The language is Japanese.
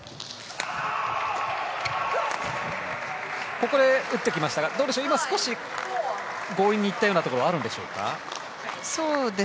ここでカが打ってきましたが少し、強引にいったようなところがあるでしょうか。